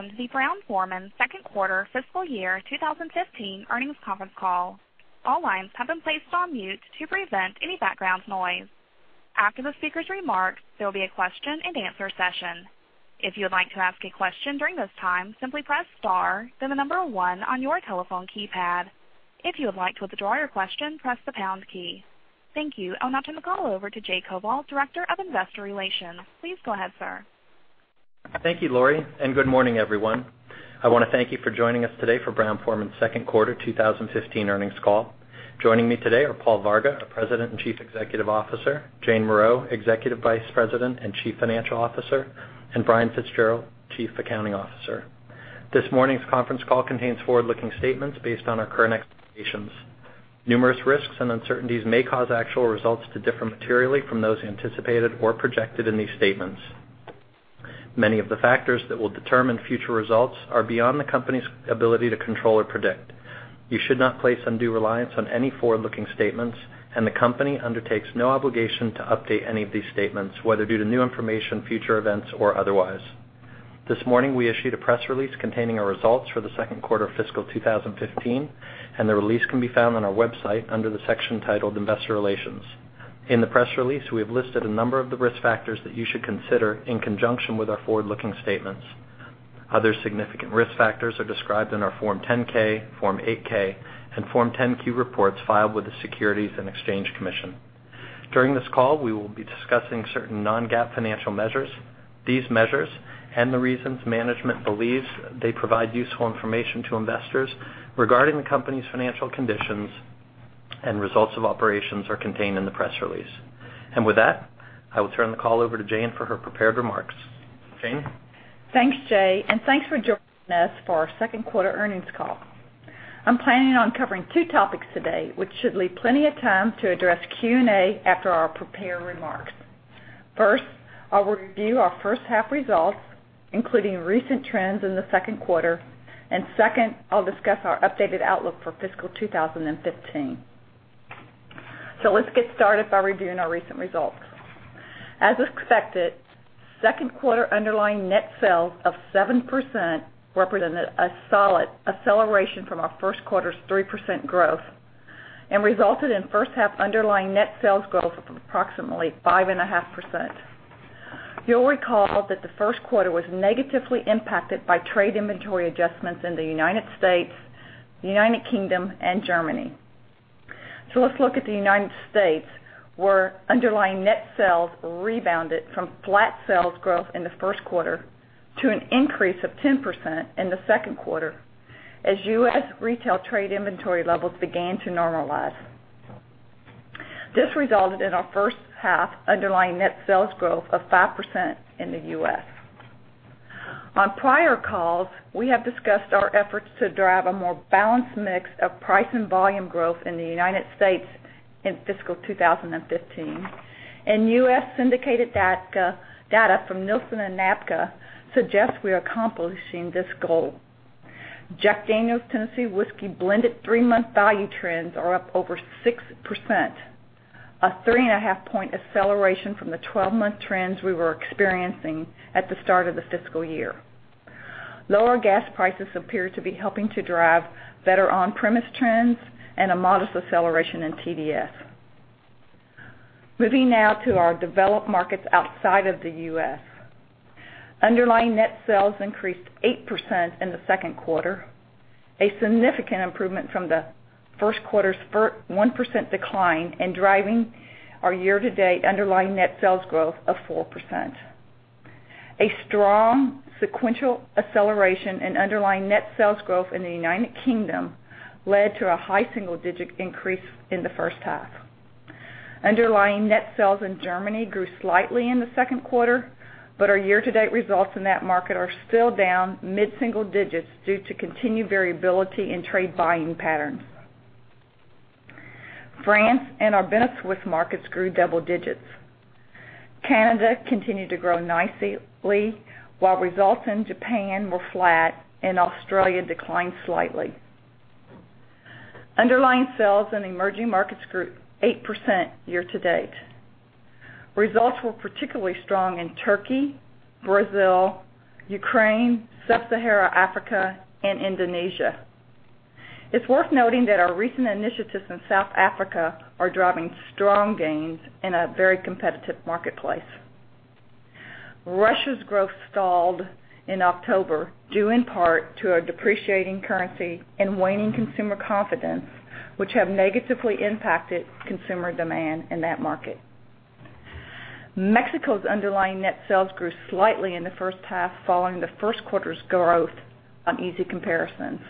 Welcome to the Brown-Forman second quarter fiscal year 2015 earnings conference call. All lines have been placed on mute to prevent any background noise. After the speaker's remarks, there will be a question and answer session. If you would like to ask a question during this time, simply press star, then the number 1 on your telephone keypad. If you would like to withdraw your question, press the pound key. Thank you. I'll now turn the call over to Jay Koval, Director of Investor Relations. Please go ahead, sir. Thank you, Laurie, and good morning, everyone. I want to thank you for joining us today for Brown-Forman's second quarter 2015 earnings call. Joining me today are Paul Varga, our President and Chief Executive Officer, Jane Morreau, Executive Vice President and Chief Financial Officer, and Brian Fitzgerald, Chief Accounting Officer. This morning's conference call contains forward-looking statements based on our current expectations. Numerous risks and uncertainties may cause actual results to differ materially from those anticipated or projected in these statements. Many of the factors that will determine future results are beyond the company's ability to control or predict. You should not place undue reliance on any forward-looking statements. The company undertakes no obligation to update any of these statements, whether due to new information, future events, or otherwise. This morning, we issued a press release containing our results for the second quarter of fiscal 2015. The release can be found on our website under the section titled Investor Relations. In the press release, we have listed a number of the risk factors that you should consider in conjunction with our forward-looking statements. Other significant risk factors are described in our Form 10-K, Form 8-K, and Form 10-Q reports filed with the Securities and Exchange Commission. During this call, we will be discussing certain non-GAAP financial measures. These measures, and the reasons management believes they provide useful information to investors regarding the company's financial conditions and results of operations, are contained in the press release. With that, I will turn the call over to Jane for her prepared remarks. Jane? Thanks, Jay, and thanks for joining us for our second quarter earnings call. I'm planning on covering two topics today, which should leave plenty of time to address Q&A after our prepared remarks. First, I'll review our first half results, including recent trends in the second quarter, and second, I'll discuss our updated outlook for fiscal 2015. Let's get started by reviewing our recent results. As expected, second quarter underlying net sales of 7% represented a solid acceleration from our first quarter's 3% growth and resulted in first half underlying net sales growth of approximately 5.5%. You'll recall that the first quarter was negatively impacted by trade inventory adjustments in the U.S., U.K., and Germany. Let's look at the United States, where underlying net sales rebounded from flat sales growth in the first quarter to an increase of 10% in the second quarter as U.S. retail trade inventory levels began to normalize. This resulted in our first half underlying net sales growth of 5% in the U.S. On prior calls, we have discussed our efforts to drive a more balanced mix of price and volume growth in the United States in fiscal 2015, and U.S. syndicated data from Nielsen and NABCA suggests we are accomplishing this goal. Jack Daniel's Tennessee Whiskey blended three-month value trends are up over 6%, a 3.5 point acceleration from the 12-month trends we were experiencing at the start of the fiscal year. Lower gas prices appear to be helping to drive better on-premise trends and a modest acceleration in TDS. Moving now to our developed markets outside of the U.S. Underlying net sales increased 8% in the second quarter, a significant improvement from the first quarter's 1% decline and driving our year-to-date underlying net sales growth of 4%. A strong sequential acceleration in underlying net sales growth in the United Kingdom led to a high single-digit increase in the first half. Underlying net sales in Germany grew slightly in the second quarter, but our year-to-date results in that market are still down mid-single digits due to continued variability in trade buying patterns. France and our Benelux markets grew double digits. Canada continued to grow nicely, while results in Japan were flat and Australia declined slightly. Underlying sales in emerging markets grew 8% year to date. Results were particularly strong in Turkey, Brazil, Ukraine, Sub-Saharan Africa, and Indonesia. It's worth noting that our recent initiatives in South Africa are driving strong gains in a very competitive marketplace. Russia's growth stalled in October, due in part to a depreciating currency and waning consumer confidence, which have negatively impacted consumer demand in that market. Mexico's underlying net sales grew slightly in the first half, following the first quarter's growth on easy comparisons.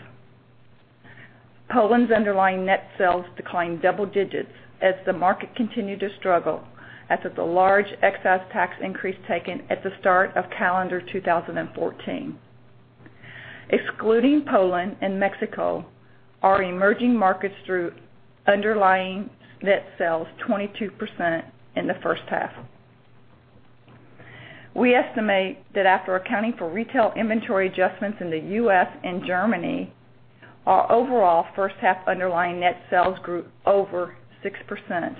Poland's underlying net sales declined double digits as the market continued to struggle after the large excise tax increase taken at the start of calendar 2014. Excluding Poland and Mexico, our emerging markets grew underlying net sales 22% in the first half. We estimate that after accounting for retail inventory adjustments in the U.S. and Germany, our overall first half underlying net sales grew over 6%,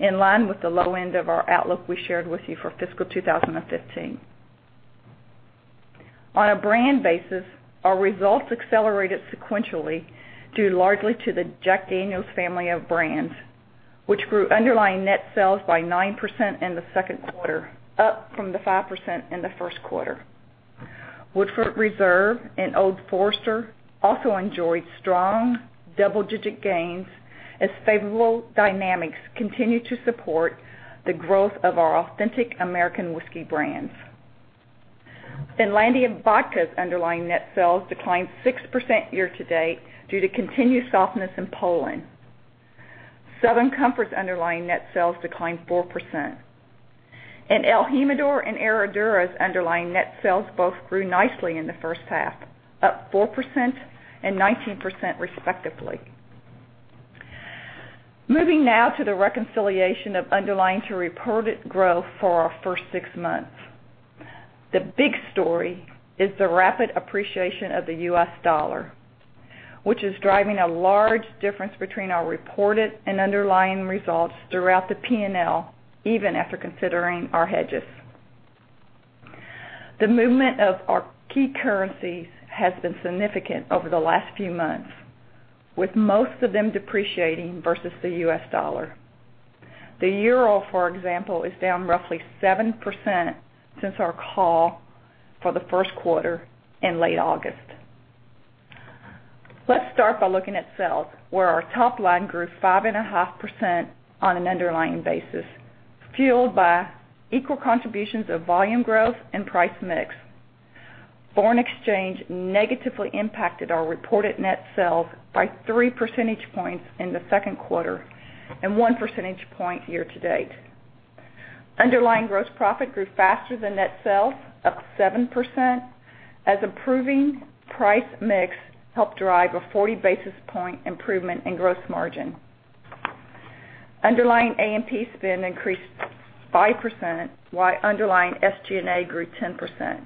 in line with the low end of our outlook we shared with you for fiscal 2015. On a brand basis, our results accelerated sequentially largely to the Jack Daniel's family of brands, which grew underlying net sales by 9% in the second quarter, up from the 5% in the first quarter. Woodford Reserve and Old Forester also enjoyed strong double-digit gains as favorable dynamics continue to support the growth of our authentic American whiskey brands. Finlandia Vodka's underlying net sales declined 6% year-to-date due to continued softness in Poland. Southern Comfort's underlying net sales declined 4%. el Jimador and Herradura's underlying net sales both grew nicely in the first half, up 4% and 19% respectively. Moving now to the reconciliation of underlying to reported growth for our first six months. The big story is the rapid appreciation of the U.S. dollar, which is driving a large difference between our reported and underlying results throughout the P&L, even after considering our hedges. The movement of our key currencies has been significant over the last few months, with most of them depreciating versus the U.S. dollar. The euro, for example, is down roughly 7% since our call for the first quarter in late August. Let's start by looking at sales, where our top line grew 5.5% on an underlying basis, fueled by equal contributions of volume growth and price mix. Foreign exchange negatively impacted our reported net sales by three percentage points in the second quarter and one percentage point year-to-date. Underlying gross profit grew faster than net sales, up 7%, as improving price mix helped drive a 40 basis point improvement in gross margin. Underlying A&P spend increased 5%, while underlying SG&A grew 10%.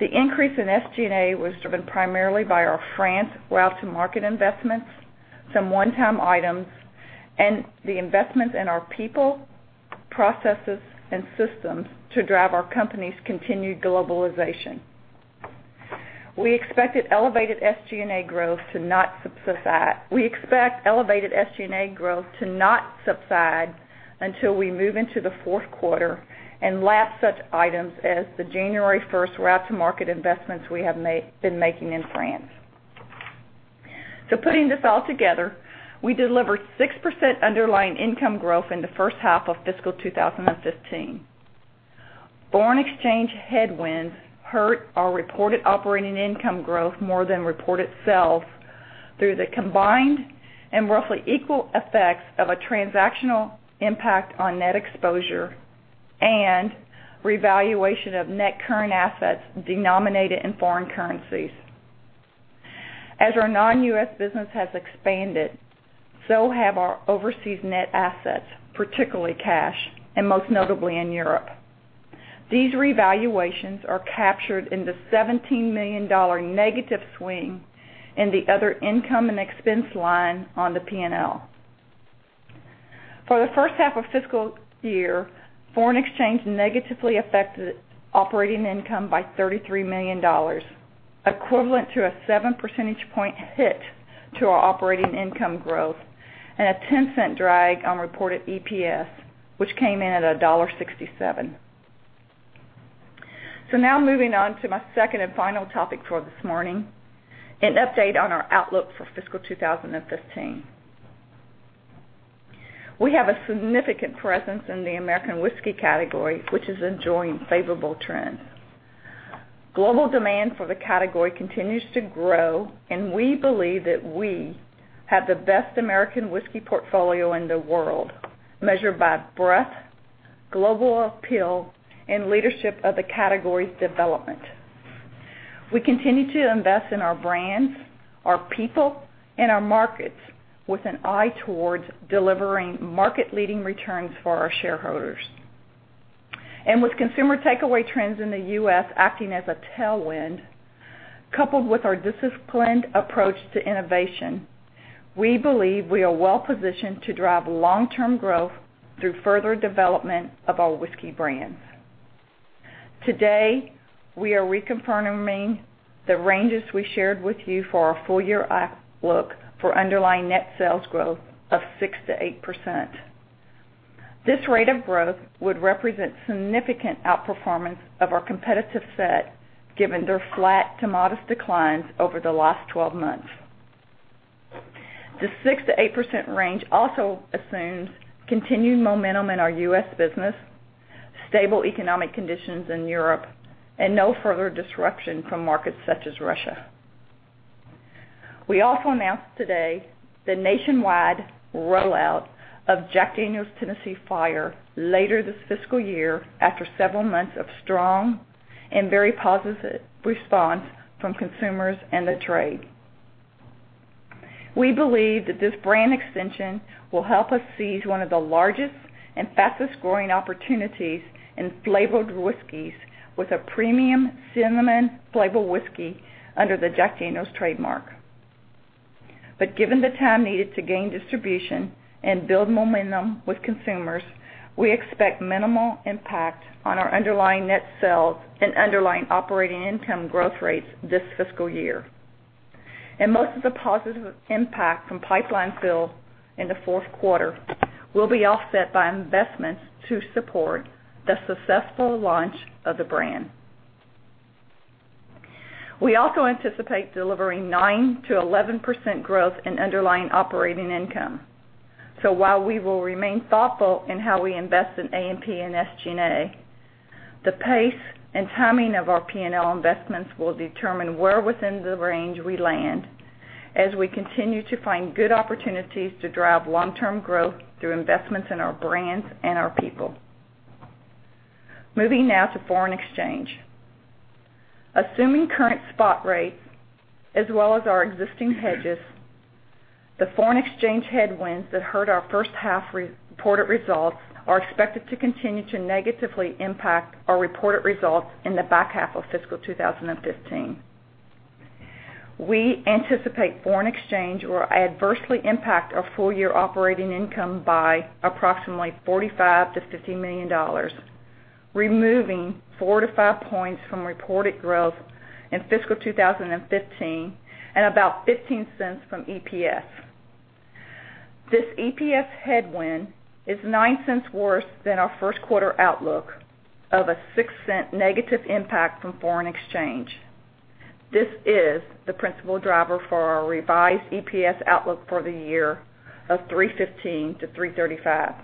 The increase in SG&A was driven primarily by our France route-to-market investments, some one-time items, and the investments in our people, processes, and systems to drive our company's continued globalization. We expect elevated SG&A growth to not subside until we move into the fourth quarter and lap such items as the January 1 route-to-market investments we have been making in France. Putting this all together, we delivered 6% underlying income growth in the first half of fiscal 2015. Foreign exchange headwinds hurt our reported operating income growth more than reported sales through the combined and roughly equal effects of a transactional impact on net exposure and revaluation of net current assets denominated in foreign currencies. As our non-U.S. business has expanded, so have our overseas net assets, particularly cash, and most notably in Europe. These revaluations are captured in the $17 million negative swing in the other income and expense line on the P&L. For the first half of fiscal year, foreign exchange negatively affected operating income by $33 million, equivalent to a seven percentage point hit to our operating income growth and a $0.10 drag on reported EPS, which came in at $1.67. Now moving on to my second and final topic for this morning, an update on our outlook for fiscal 2015. We have a significant presence in the American whiskey category, which is enjoying favorable trends. Global demand for the category continues to grow, and we believe that we have the best American whiskey portfolio in the world, measured by breadth, global appeal, and leadership of the category's development. We continue to invest in our brands, our people, and our markets with an eye towards delivering market-leading returns for our shareholders. With consumer takeaway trends in the U.S. acting as a tailwind, coupled with our disciplined approach to innovation, we believe we are well positioned to drive long-term growth through further development of our whiskey brands. Today, we are reconfirming the ranges we shared with you for our full-year outlook for underlying net sales growth of 6% to 8%. This rate of growth would represent significant outperformance of our competitive set, given their flat to modest declines over the last 12 months. The 6% to 8% range also assumes continued momentum in our U.S. business, stable economic conditions in Europe, and no further disruption from markets such as Russia. We also announced today the nationwide rollout of Jack Daniel's Tennessee Fire later this fiscal year after several months of strong and very positive response from consumers and the trade. We believe that this brand extension will help us seize one of the largest and fastest-growing opportunities in flavored whiskeys with a premium cinnamon flavor whiskey under the Jack Daniel's trademark. Given the time needed to gain distribution and build momentum with consumers, we expect minimal impact on our underlying net sales and underlying operating income growth rates this fiscal year. Most of the positive impact from pipeline fill in the fourth quarter will be offset by investments to support the successful launch of the brand. We also anticipate delivering 9% to 11% growth in underlying operating income. While we will remain thoughtful in how we invest in A&P and SG&A, the pace and timing of our P&L investments will determine where within the range we land as we continue to find good opportunities to drive long-term growth through investments in our brands and our people. Moving now to foreign exchange. Assuming current spot rates as well as our existing hedges, the foreign exchange headwinds that hurt our first half reported results are expected to continue to negatively impact our reported results in the back half of fiscal 2015. We anticipate foreign exchange will adversely impact our full-year operating income by approximately $45 million to $50 million, removing 4 to 5 points from reported growth in fiscal 2015 and about $0.15 from EPS. This EPS headwind is $0.09 worse than our first quarter outlook of a $0.06 negative impact from foreign exchange. This is the principal driver for our revised EPS outlook for the year of $3.15 to $3.35.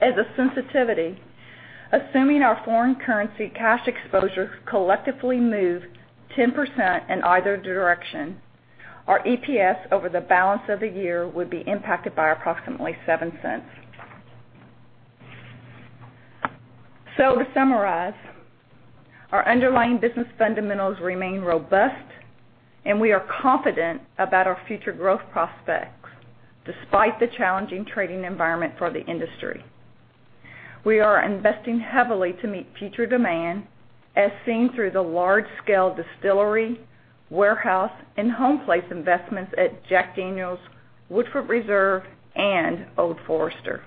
As a sensitivity, assuming our foreign currency cash exposure collectively move 10% in either direction, our EPS over the balance of the year would be impacted by approximately $0.07. To summarize, our underlying business fundamentals remain robust, and we are confident about our future growth prospects despite the challenging trading environment for the industry. We are investing heavily to meet future demand as seen through the large-scale distillery, warehouse, and home place investments at Jack Daniel's, Woodford Reserve, and Old Forester.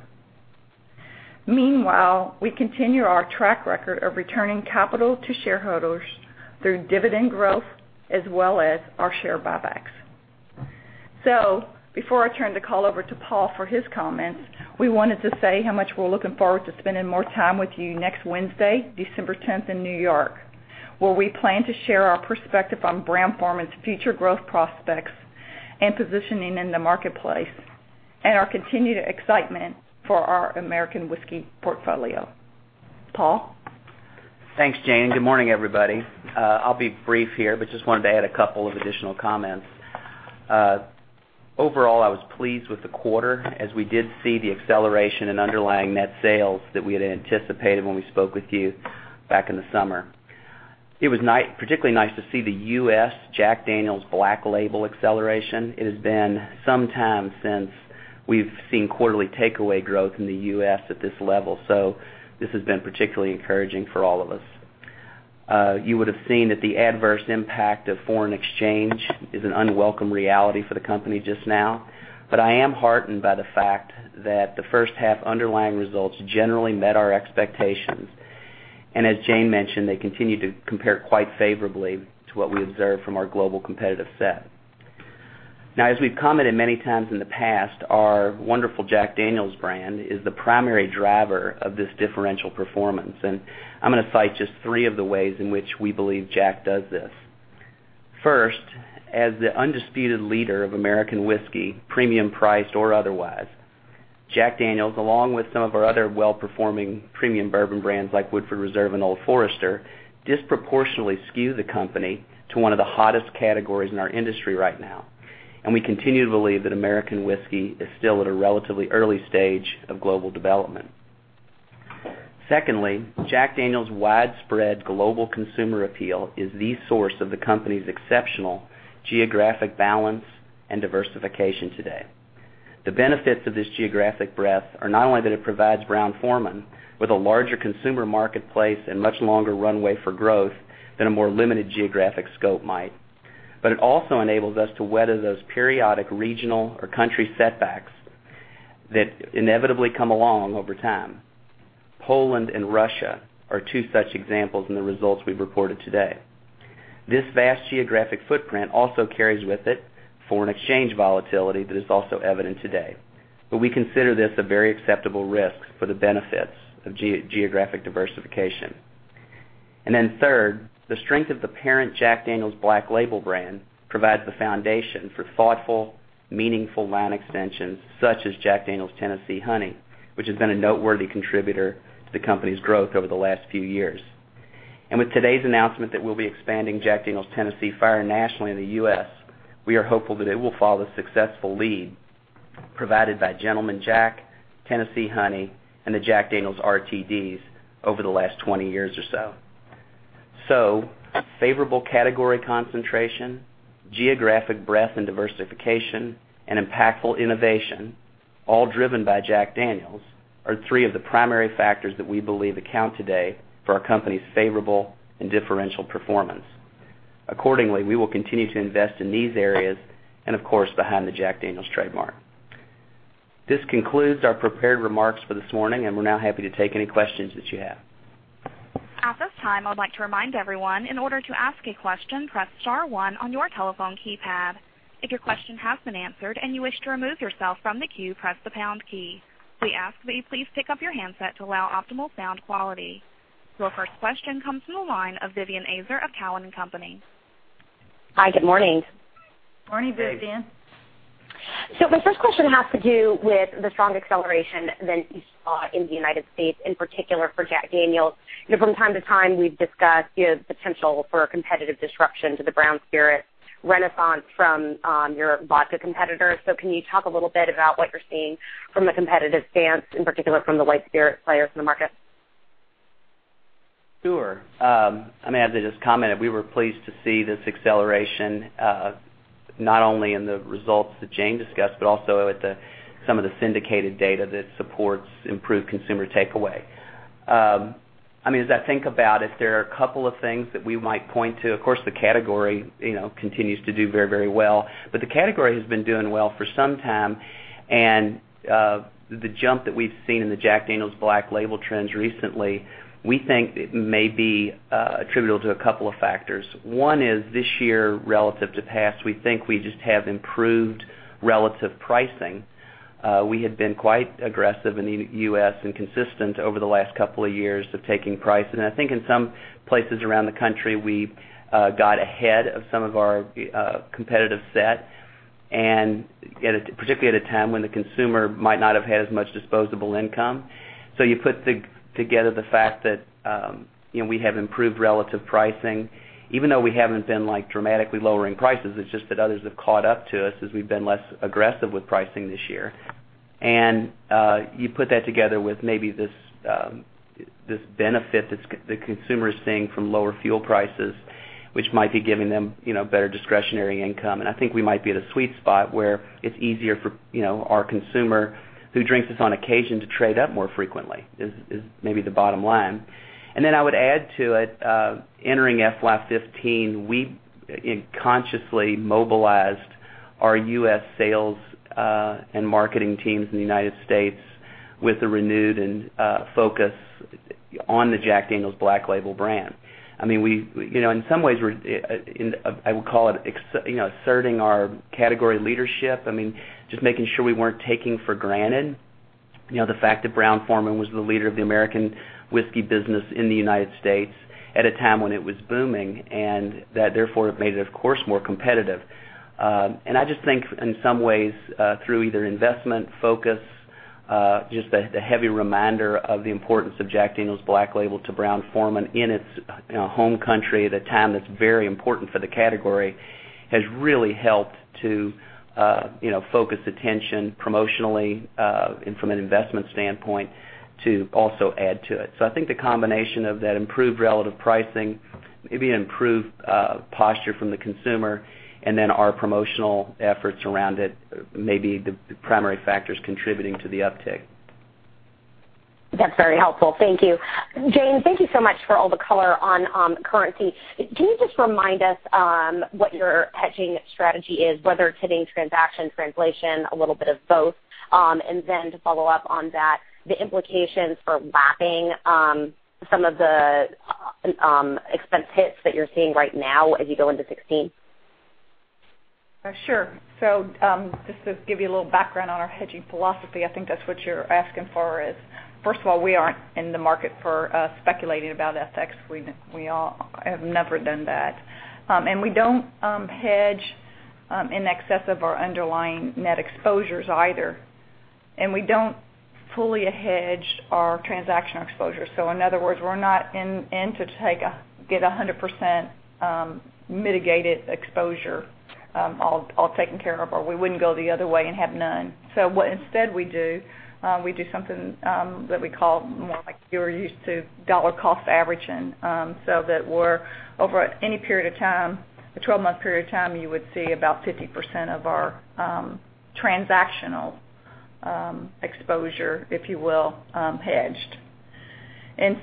Meanwhile, we continue our track record of returning capital to shareholders through dividend growth, as well as our share buybacks. Before I turn the call over to Paul for his comments, we wanted to say how much we're looking forward to spending more time with you next Wednesday, December 10 in New York, where we plan to share our perspective on Brown-Forman's future growth prospects and positioning in the marketplace, and our continued excitement for our American whiskey portfolio. Paul? Thanks, Jane. Good morning, everybody. I'll be brief here, but just wanted to add a couple of additional comments. Overall, I was pleased with the quarter as we did see the acceleration in underlying net sales that we had anticipated when we spoke with you back in the summer. It was particularly nice to see the U.S. Jack Daniel's Black Label acceleration. It has been some time since we've seen quarterly takeaway growth in the U.S. at this level. This has been particularly encouraging for all of us. You would've seen that the adverse impact of foreign exchange is an unwelcome reality for the company just now. I am heartened by the fact that the first half underlying results generally met our expectations, and as Jane mentioned, they continue to compare quite favorably to what we observe from our global competitive set. As we've commented many times in the past, our wonderful Jack Daniel's brand is the primary driver of this differential performance, and I'm going to cite just three of the ways in which we believe Jack does this. First, as the undisputed leader of American whiskey, premium priced or otherwise, Jack Daniel's, along with some of our other well-performing premium bourbon brands like Woodford Reserve and Old Forester, disproportionately skew the company to one of the hottest categories in our industry right now. We continue to believe that American whiskey is still at a relatively early stage of global development. Secondly, Jack Daniel's widespread global consumer appeal is the source of the company's exceptional geographic balance and diversification today. The benefits of this geographic breadth are not only that it provides Brown-Forman with a larger consumer marketplace and much longer runway for growth than a more limited geographic scope might, but it also enables us to weather those periodic regional or country setbacks that inevitably come along over time. Poland and Russia are two such examples in the results we've reported today. This vast geographic footprint also carries with it foreign exchange volatility that is also evident today. We consider this a very acceptable risk for the benefits of geographic diversification. Third, the strength of the parent Jack Daniel's Black Label brand provides the foundation for thoughtful, meaningful line extensions such as Jack Daniel's Tennessee Honey, which has been a noteworthy contributor to the company's growth over the last few years. With today's announcement that we'll be expanding Jack Daniel's Tennessee Fire nationally in the U.S., we are hopeful that it will follow the successful lead provided by Gentleman Jack, Tennessee Honey, and the Jack Daniel's RTDs over the last 20 years or so. Favorable category concentration, geographic breadth and diversification, and impactful innovation, all driven by Jack Daniel's, are three of the primary factors that we believe account today for our company's favorable and differential performance. Accordingly, we will continue to invest in these areas, and of course, behind the Jack Daniel's trademark. This concludes our prepared remarks for this morning, and we're now happy to take any questions that you have. At this time, I would like to remind everyone, in order to ask a question, press star one on your telephone keypad. If your question has been answered and you wish to remove yourself from the queue, press the pound key. We ask that you please pick up your handset to allow optimal sound quality. Your first question comes from the line of Vivien Azer of Cowen and Company. Hi, good morning. Morning, Vivien. My first question has to do with the strong acceleration that you saw in the United States, in particular for Jack Daniel's. From time to time, we've discussed the potential for a competitive disruption to the brown spirit renaissance from your vodka competitors. Can you talk a little bit about what you're seeing from a competitive stance, in particular from the white spirit players in the market? Sure. I mean, as I just commented, we were pleased to see this acceleration, not only in the results that Jane discussed, but also with some of the syndicated data that supports improved consumer takeaway. As I think about if there are a couple of things that we might point to, of course, the category continues to do very well. The category has been doing well for some time, and the jump that we've seen in the Jack Daniel's Black Label trends recently, we think it may be attributable to a couple of factors. One is, this year relative to past, we think we just have improved relative pricing. We had been quite aggressive in the U.S., and consistent over the last couple of years of taking price. I think in some places around the country, we got ahead of some of our competitive set, and particularly at a time when the consumer might not have had as much disposable income. You put together the fact that we have improved relative pricing, even though we haven't been dramatically lowering prices, it's just that others have caught up to us as we've been less aggressive with pricing this year. You put that together with maybe this benefit that the consumer is seeing from lower fuel prices, which might be giving them better discretionary income. I think we might be at a sweet spot where it's easier for our consumer who drinks this on occasion to trade up more frequently, is maybe the bottom line. I would add to it, entering FY 2015, we consciously mobilized our U.S. sales and marketing teams in the United States with a renewed focus on the Jack Daniel's Black Label brand. In some ways, I would call it asserting our category leadership. Just making sure we weren't taking for granted the fact that Brown-Forman was the leader of the American whiskey business in the United States at a time when it was booming, and that therefore it made it, of course, more competitive. I just think in some ways, through either investment focus, just the heavy reminder of the importance of Jack Daniel's Black Label to Brown-Forman in its home country at a time that's very important for the category, has really helped to focus attention promotionally, and from an investment standpoint, to also add to it. I think the combination of that improved relative pricing, maybe an improved posture from the consumer, and then our promotional efforts around it, may be the primary factors contributing to the uptick. That's very helpful. Thank you. Jane Morreau, thank you so much for all the color on currency. Can you just remind us what your hedging strategy is, whether it's hitting transaction, translation, a little bit of both? Then to follow up on that, the implications for lapping some of the expense hits that you're seeing right now as you go into 2016. Sure. Just to give you a little background on our hedging philosophy, I think that's what you're asking for is, first of all, we aren't in the market for speculating about FX. We have never done that. We don't hedge in excess of our underlying net exposures either. We don't fully hedge our transactional exposure. In other words, we're not in to get 100% mitigated exposure, all taken care of, or we wouldn't go the other way and have none. What instead we do, we do something that we call more like you're used to dollar cost averaging. That we're, over any period of time, a 12-month period of time, you would see about 50% of our transactional exposure, if you will, hedged.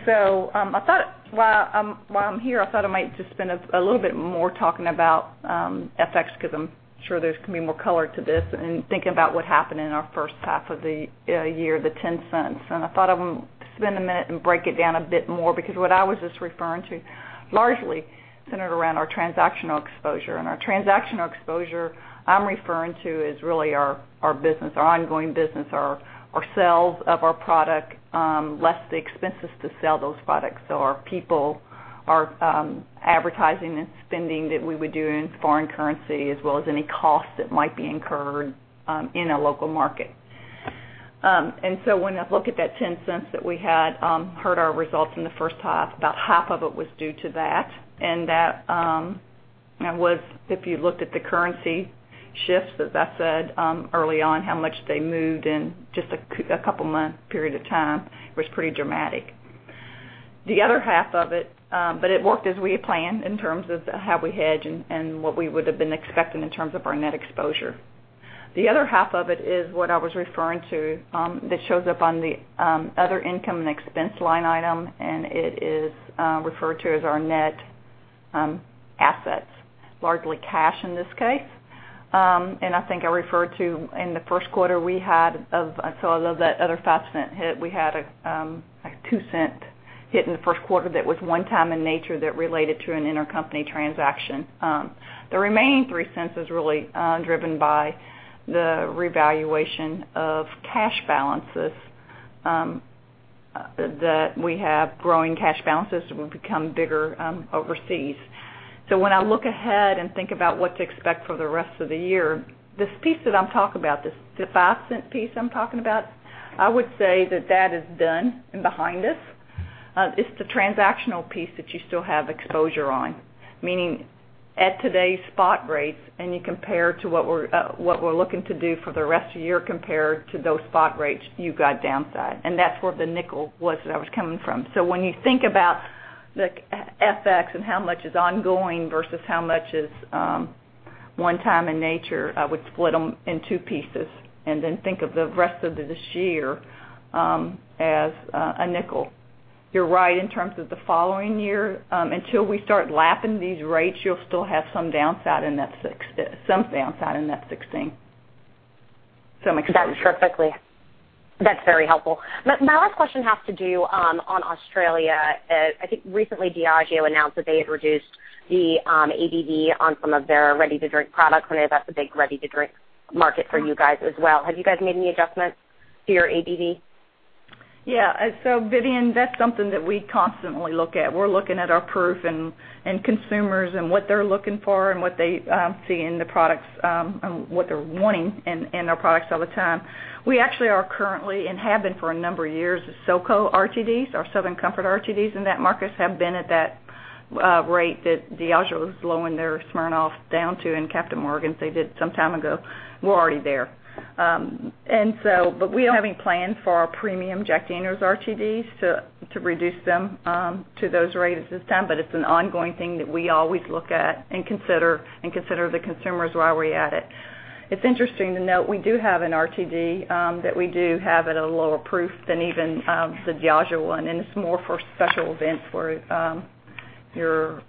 While I'm here, I thought I might just spend a little bit more talking about FX, because I'm sure there's going to be more color to this, and thinking about what happened in our first half of the year, the $0.10. I thought I would spend a minute and break it down a bit more, because what I was just referring to largely centered around our transactional exposure. Our transactional exposure I'm referring to is really our business, our ongoing business, our sales of our product, less the expenses to sell those products. Our people, our advertising and spending that we would do in foreign currency, as well as any costs that might be incurred in a local market. When I look at that $0.10 that we had hurt our results in the first half, about half of it was due to that. If you looked at the currency shifts, as I said early on, how much they moved in just a couple of months period of time was pretty dramatic. It worked as we had planned in terms of how we hedge and what we would have been expecting in terms of our net exposure. The other half of it is what I was referring to that shows up on the other income and expense line item, it is referred to as our net assets, largely cash in this case. I think I referred to, in the first quarter, we had I saw all of that other $0.05 hit. We had a $0.02 hit in the first quarter that was one time in nature that related to an intercompany transaction. The remaining $0.03 is really driven by the revaluation of cash balances that we have growing cash balances, so we've become bigger overseas. When I look ahead and think about what to expect for the rest of the year, this piece that I'm talking about, this $0.05 piece I'm talking about, I would say that that is done and behind us. It's the transactional piece that you still have exposure on, meaning at today's spot rates, and you compare to what we're looking to do for the rest of the year compared to those spot rates, you got downside. That's where the $0.05 was that was coming from. When you think about the FX and how much is ongoing versus how much is one time in nature, I would split them in two pieces and then think of the rest of this year, as a $0.05. You're right in terms of the following year. Until we start lapping these rates, you'll still have some downside in that 2016. Some exposure. That's perfectly, that's very helpful. My last question has to do on Australia. I think recently Diageo announced that they had reduced the ABV on some of their ready-to-drink products. I know that's a big ready-to-drink market for you guys as well. Have you guys made any adjustments to your ABV? Yeah. Vivien, that's something that we constantly look at. We're looking at our proof and consumers and what they're looking for and what they see in the products and what they're wanting in our products all the time. We actually are currently, and have been for a number of years, SoCo RTDs, our Southern Comfort RTDs in that market, have been at that rate that Diageo is lowering their Smirnoff down to and Captain Morgan, they did some time ago. We're already there. We don't have any plans for our premium Jack Daniel's RTDs to reduce them to those rates this time. It's an ongoing thing that we always look at and consider the consumers while we're at it. It's interesting to note, we do have an RTD, that we do have at a lower proof than even the Diageo one, and it's more for special events where your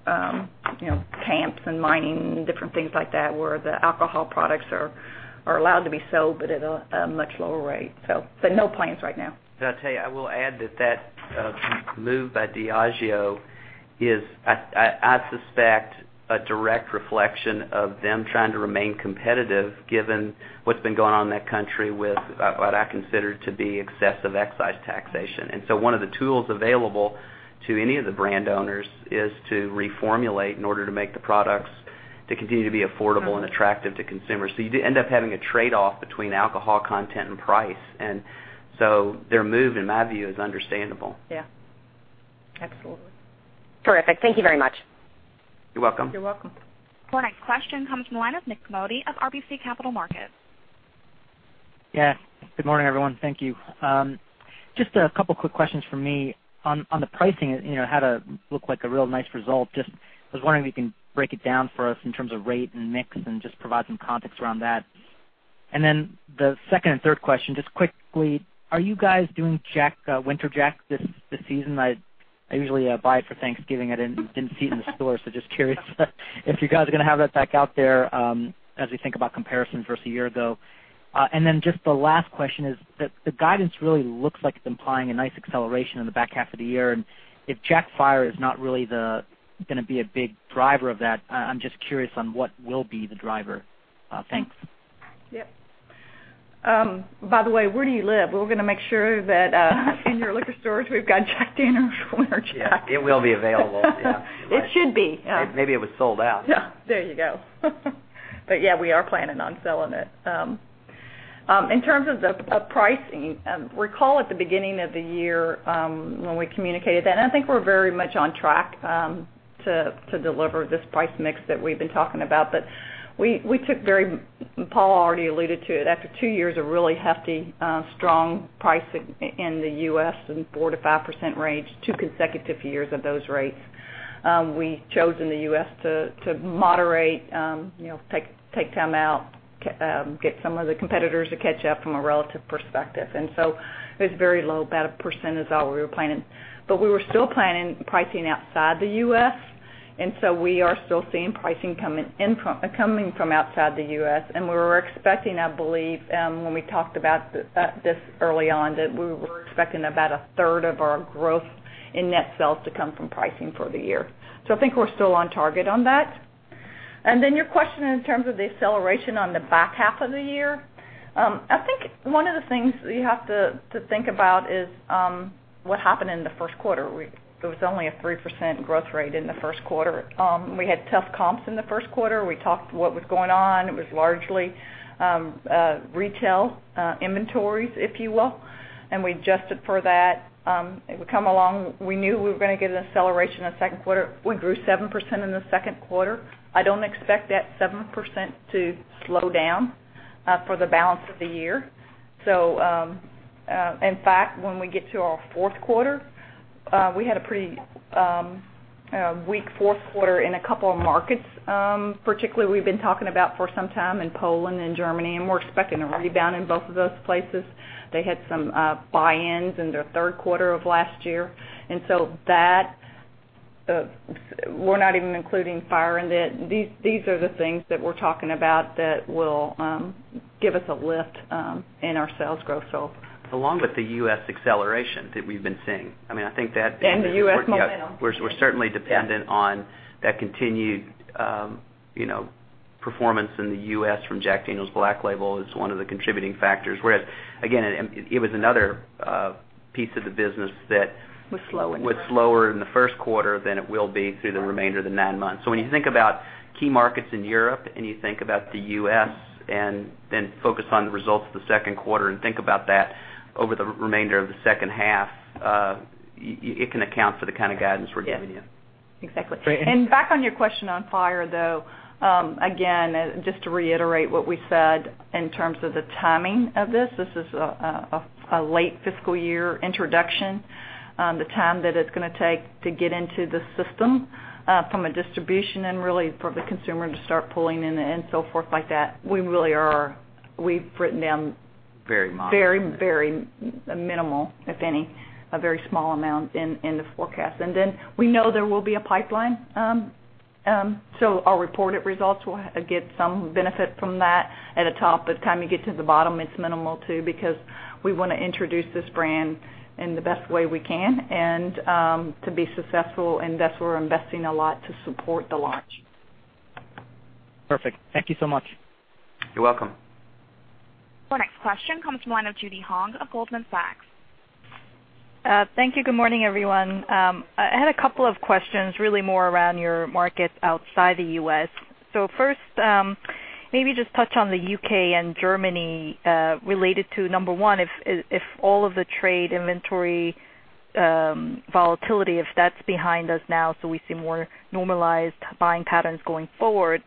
camps and mining, different things like that, where the alcohol products are allowed to be sold, but at a much lower rate. But no plans right now. I'll tell you, I will add that that move by Diageo is, I suspect, a direct reflection of them trying to remain competitive given what's been going on in that country with what I consider to be excessive excise taxation. One of the tools available to any of the brand owners is to reformulate in order to make the products to continue to be affordable and attractive to consumers. You do end up having a trade-off between alcohol content and price. Their move, in my view, is understandable. Yeah. Absolutely. Terrific. Thank you very much. You're welcome. You're welcome. Our next question comes from the line of Nik Modi of RBC Capital Markets. Good morning, everyone. Thank you. Just a couple quick questions from me. On the pricing, how to look like a real nice result, just was wondering if you can break it down for us in terms of rate and mix and just provide some context around that. The second and third question, just quickly, are you guys doing Winter Jack this season? I usually buy it for Thanksgiving. I didn't see it in the store, so just curious if you guys are going to have that back out there, as we think about comparison versus a year ago. The last question is, the guidance really looks like it's implying a nice acceleration in the back half of the year. If Jack Fire is not really going to be a big driver of that, I'm just curious on what will be the driver. Thanks. Yep. By the way, where do you live? We're going to make sure that in your liquor stores, we've got Jack Daniel's Winter Jack. Yeah, it will be available. Yeah. It should be. Maybe it was sold out. Yeah. There you go. We are planning on selling it. In terms of the pricing, recall at the beginning of the year, when we communicated that. I think we're very much on track to deliver this price mix that we've been talking about. We took very. Paul already alluded to it. After 2 years of really hefty, strong pricing in the U.S., in the 4%-5% range, 2 consecutive years of those rates, we chose in the U.S. to moderate, take time out, get some of the competitors to catch up from a relative perspective. It was very low, about 1% is all we were planning. We were still planning pricing outside the U.S. We are still seeing pricing coming from outside the U.S. We were expecting, I believe, when we talked about this early on, that we were expecting about a third of our growth in net sales to come from pricing for the year. I think we're still on target on that. Your question in terms of the acceleration on the back half of the year. I think one of the things that you have to think about is what happened in the first quarter. There was only a 3% growth rate in the first quarter. We had tough comps in the first quarter. We talked what was going on. It was largely retail inventories, if you will. We adjusted for that. We knew we were going to get an acceleration in the second quarter. We grew 7% in the second quarter. I do not expect that 7% to slow down for the balance of the year. In fact, when we get to our fourth quarter, we had a pretty weak fourth quarter in a couple of markets. Particularly, we've been talking about for some time in Poland and Germany. We're expecting a rebound in both of those places. They had some buy-ins in their third quarter of last year. We're not even including Fire in it. These are the things that we're talking about that will give us a lift in our sales growth. Along with the U.S. acceleration that we've been seeing. the U.S. momentum we're certainly dependent on that continued performance in the U.S. from Jack Daniel's Black Label is one of the contributing factors. Whereas, again, it was another piece of the business. Was slowing was slower in the first quarter than it will be through the remainder of the nine months. When you think about key markets in Europe and you think about the U.S. and then focus on the results of the second quarter and think about that over the remainder of the second half, it can account for the kind of guidance we're giving you. Yes. Exactly. Back on your question on Fire, though, again, just to reiterate what we said in terms of the timing of this. This is a late fiscal year introduction. The time that it's going to take to get into the system from a distribution and really for the consumer to start pulling in and so forth like that, we've written down. Very minimal. Very minimal, if any, a very small amount in the forecast. We know there will be a pipeline. Our reported results will get some benefit from that at the top, but by the time you get to the bottom, it's minimal too because we want to introduce this brand in the best way we can and to be successful, and thus we're investing a lot to support the launch. Perfect. Thank you so much. You're welcome. Our next question comes from the line of Judy Hong of Goldman Sachs. Thank you. Good morning, everyone. I had a couple of questions really more around your markets outside the U.S. First, maybe just touch on the U.K. and Germany, related to number 1, if all of the trade inventory volatility, if that's behind us now, so we see more normalized buying patterns going forward.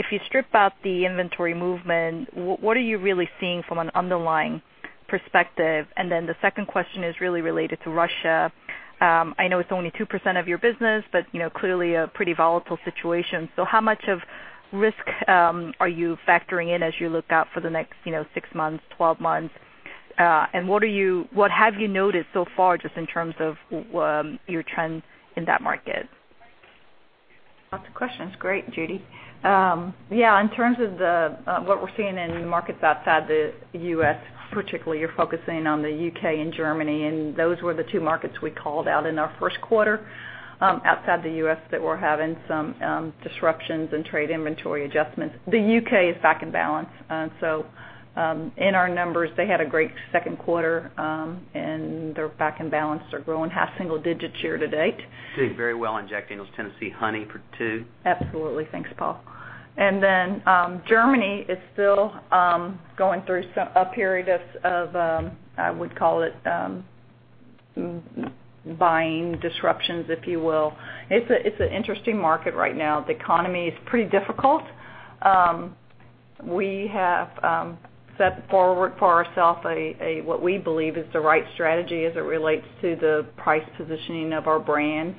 If you strip out the inventory movement, what are you really seeing from an underlying perspective? The second question is really related to Russia. I know it's only 2% of your business, but clearly a pretty volatile situation. How much of risk are you factoring in as you look out for the next six months, 12 months? What have you noticed so far just in terms of your trends in that market? Lots of questions. Great, Judy. In terms of what we're seeing in the markets outside the U.S., particularly you're focusing on the U.K. and Germany, and those were the two markets we called out in our first quarter outside the U.S. that were having some disruptions in trade inventory adjustments. The U.K. is back in balance. In our numbers, they had a great second quarter, and they're back in balance. They're growing half single digits year to date. Doing very well in Jack Daniel's Tennessee Honey too. Absolutely. Thanks, Paul. Germany is still going through a period of, I would call it, buying disruptions, if you will. It's an interesting market right now. The economy is pretty difficult. We have set forward for ourself what we believe is the right strategy as it relates to the price positioning of our brands.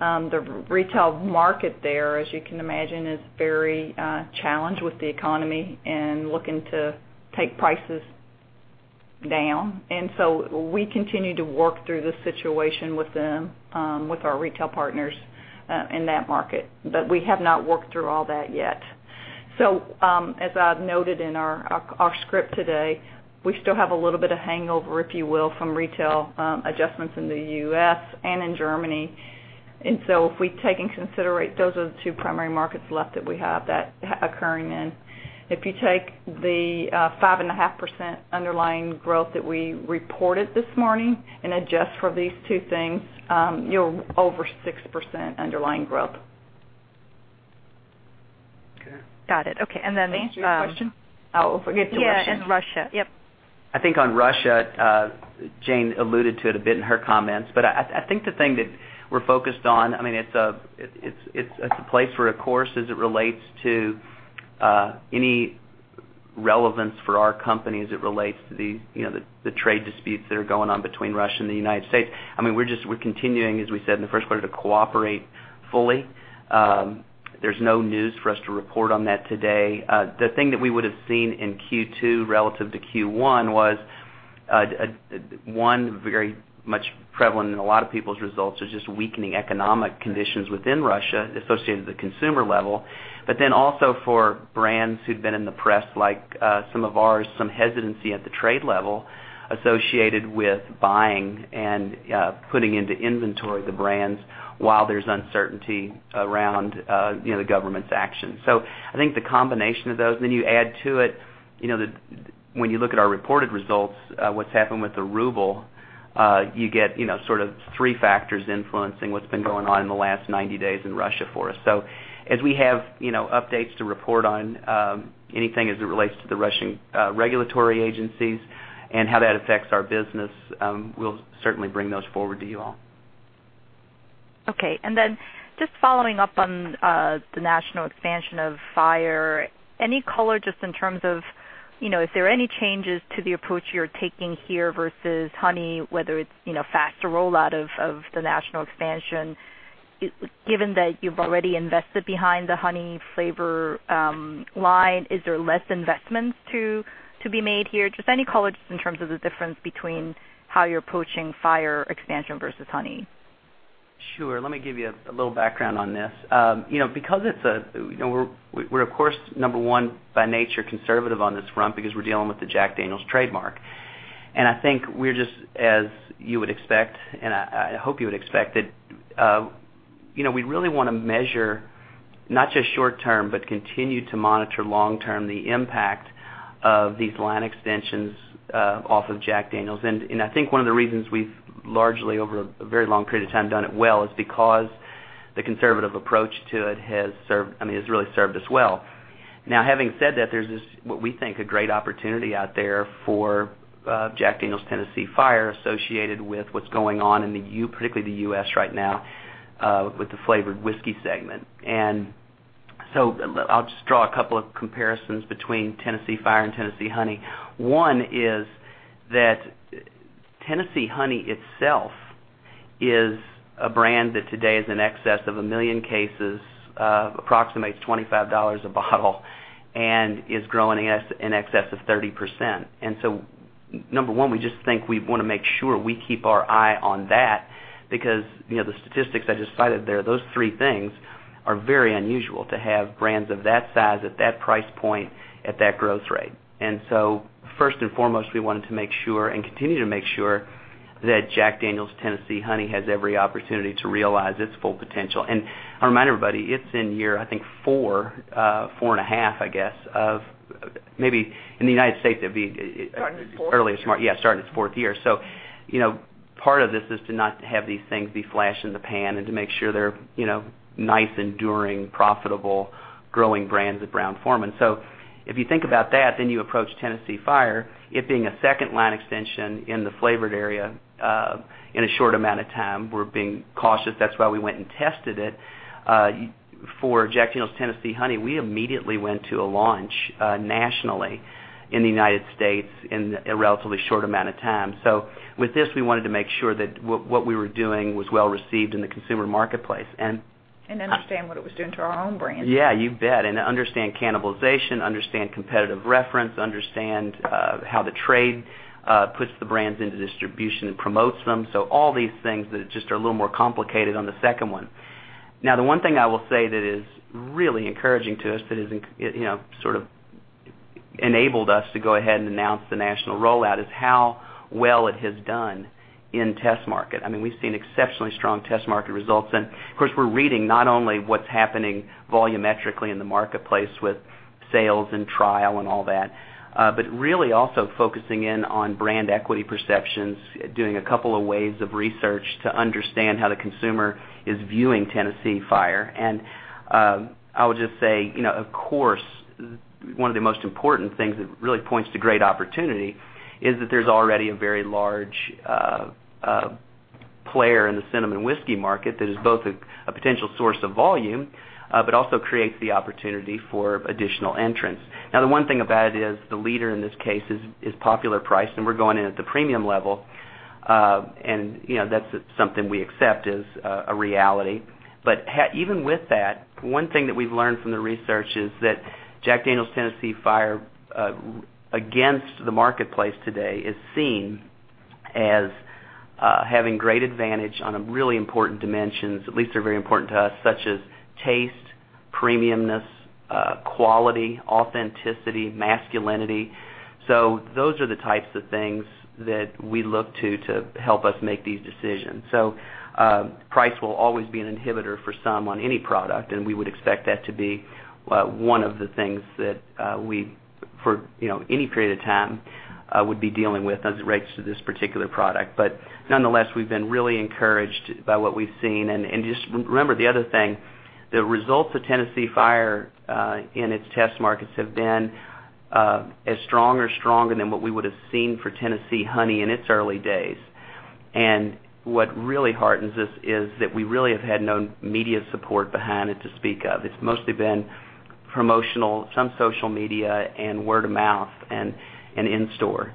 The retail market there, as you can imagine, is very challenged with the economy and looking to take prices down. We continue to work through this situation with them, with our retail partners in that market. We have not worked through all that yet. As I've noted in our script today, we still have a little bit of hangover, if you will, from retail adjustments in the U.S. and in Germany. If we take into consideration, those are the two primary markets left that we have that occurring in. If you take the 5.5% underlying growth that we reported this morning and adjust for these two things, you're over 6% underlying growth. Got it. Okay. Was that your question? Oh, forget your question. Yeah, and Russia. Yep. I think on Russia, Jane alluded to it a bit in her comments, but I think the thing that we're focused on, it's a place where of course as it relates to any relevance for our company as it relates to the trade disputes that are going on between Russia and the U.S. We're continuing, as we said in the first quarter, to cooperate fully. There's no news for us to report on that today. The thing that we would have seen in Q2 relative to Q1 was, one, very much prevalent in a lot of people's results is just weakening economic conditions within Russia associated with the consumer level. Also for brands who'd been in the press, like some of ours, some hesitancy at the trade level associated with buying and putting into inventory the brands while there's uncertainty around the government's action. I think the combination of those, then you add to it, when you look at our reported results, what's happened with the ruble, you get three factors influencing what's been going on in the last 90 days in Russia for us. As we have updates to report on anything as it relates to the Russian regulatory agencies and how that affects our business, we'll certainly bring those forward to you all. Just following up on the national expansion of Fire. Any color just in terms of, if there are any changes to the approach you're taking here versus Honey, whether it's faster rollout of the national expansion, given that you've already invested behind the Honey flavor line, is there less investments to be made here? Just any color just in terms of the difference between how you're approaching Fire expansion versus Honey. Sure. Let me give you a little background on this. We're of course, number 1, by nature, conservative on this front because we're dealing with the Jack Daniel's trademark. I think we're just, as you would expect, and I hope you would expect, that we really want to measure not just short term, but continue to monitor long term, the impact of these line extensions off of Jack Daniel's. I think one of the reasons we've largely, over a very long period of time, done it well is because the conservative approach to it has really served us well. Having said that, there's this, what we think, a great opportunity out there for Jack Daniel's Tennessee Fire associated with what's going on in, particularly, the U.S. right now with the flavored whiskey segment. I'll just draw a couple of comparisons between Tennessee Fire and Tennessee Honey. One is that Tennessee Honey itself is a brand that today is in excess of 1 million cases, approximates $25 a bottle, and is growing in excess of 30%. Number 1, we just think we want to make sure we keep our eye on that because the statistics I just cited there, those three things are very unusual to have brands of that size at that price point, at that growth rate. First and foremost, we wanted to make sure, and continue to make sure, that Jack Daniel's Tennessee Honey has every opportunity to realize its full potential. I remind everybody, it's in year, I think four and a half, I guess, of maybe in the United States, it'd be- Starting its fourth. Yeah, starting its fourth year. Part of this is to not have these things be flash in the pan and to make sure they're nice, enduring, profitable, growing brands at Brown-Forman. If you think about that, then you approach Tennessee Fire, it being a second line extension in the flavored area, in a short amount of time. We're being cautious, that's why we went and tested it. For Jack Daniel's Tennessee Honey, we immediately went to a launch nationally in the U.S. in a relatively short amount of time. With this, we wanted to make sure that what we were doing was well received in the consumer marketplace. Understand what it was doing to our own brand. Yeah, you bet. Understand cannibalization, understand competitive reference, understand how the trade puts the brands into distribution and promotes them. All these things that just are a little more complicated on the second one. The one thing I will say that is really encouraging to us, that has sort of enabled us to go ahead and announce the national rollout, is how well it has done in test market. We've seen exceptionally strong test market results. Of course, we're reading not only what's happening volumetrically in the marketplace with sales and trial and all that, but really also focusing in on brand equity perceptions, doing a couple of ways of research to understand how the consumer is viewing Tennessee Fire. I would just say, of course, one of the most important things that really points to great opportunity is that there's already a very large player in the cinnamon whiskey market that is both a potential source of volume, but also creates the opportunity for additional entrants. The one thing about it is the leader in this case is popular price, and we're going in at the premium level. That's something we accept as a reality. Even with that, one thing that we've learned from the research is that Jack Daniel's Tennessee Fire, against the marketplace today, is seen as having great advantage on really important dimensions, at least they're very important to us, such as taste, premiumness, quality, authenticity, masculinity. Those are the types of things that we look to help us make these decisions. Price will always be an inhibitor for some on any product, and we would expect that to be one of the things that we, for any period of time, would be dealing with as it relates to this particular product. Nonetheless, we've been really encouraged by what we've seen. Just remember the other thing, the results of Jack Daniel's Tennessee Fire, in its test markets have been as strong or stronger than what we would've seen for Jack Daniel's Tennessee Honey in its early days. What really heartens us is that we really have had no media support behind it to speak of. It's mostly been promotional, some social media, and word of mouth, and in store.